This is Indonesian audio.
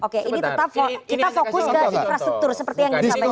kita fokus ke infrastruktur seperti yang disampaikan